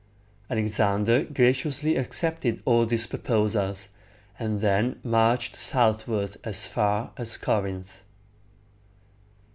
Alexander graciously accepted all these proposals, and then marched southward as far as Corinth.